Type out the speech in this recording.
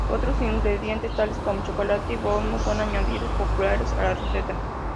Otros ingredientes tales como chocolate y "bourbon" son añadidos populares a la receta.